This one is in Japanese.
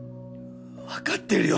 わかってるよ